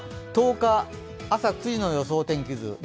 １０日、朝９時の予想天気図。